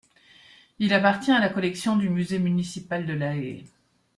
Il appartient à la collection du musée municipal de La Haye.